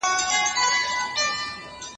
متلونه بېځایه نه ویل کېږي.